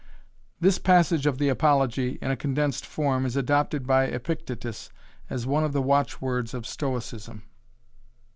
This passage of the Apology, in a condensed form, is adopted by Epictetus as one of the watchwords of Stoicism.